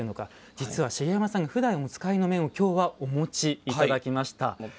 実は茂山さん、ふだんお使いの面を今日はお持ちいただきました。